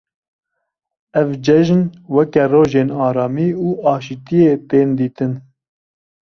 Ev cejn weke rojên aramî û aşîtiyê tên dîtin.